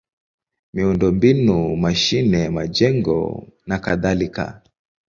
miundombinu: mashine, majengo nakadhalika.